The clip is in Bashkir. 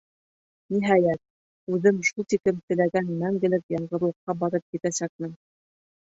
Ниһайәт, үҙем шул тиклем теләгән мәңгелек яңғыҙлыҡҡа барып етәсәкмен!